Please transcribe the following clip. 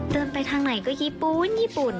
เดินไปทางไหนก็ญี่ปุ่นญี่ปุ่น